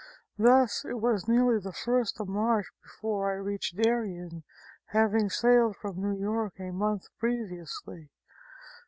Thus it was nearly the first of March before I reached Darien, having sailed from New York a month previously.